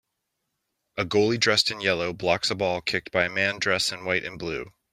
A goalie dressed in yellow blocks a ball kicked by a man dress in white and blue.